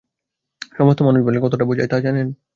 সমস্ত মানুষ বললে কতটা বোঝায় তা জানেন?